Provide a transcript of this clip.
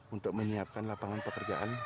untuk menyiapkan lapangan pekerjaan